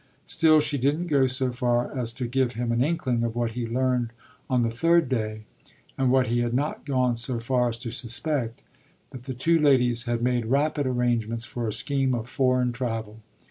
Still, she didn't go so far as to give him an inkling of what he learned on the third day and what he had not gone so far as to suspect that the two ladies had made rapid arrangements for a scheme of foreign travel.